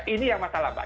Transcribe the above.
ini yang masalah mbak